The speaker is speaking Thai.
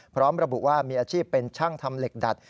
พร้อมระบุว่ามีอาชีพเป็นช่างทำเหล็กดัด